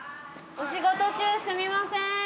お仕事中すみません。